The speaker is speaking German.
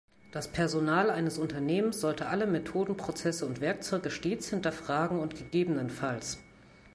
Das Personal eines Unternehmens sollte alle Methoden, Prozesse und Werkzeuge stets hinterfragen und ggf.